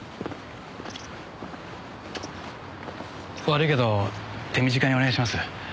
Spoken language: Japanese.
悪いけど手短にお願いします。